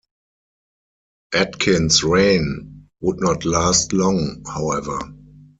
Akins's reign would not last long however.